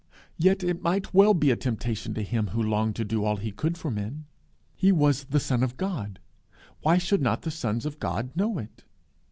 Yet it might well be a temptation to Him who longed to do all he could for men. He was the Son of God: why should not the sons of God know it?